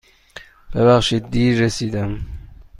ببخشید دیر رسیدم.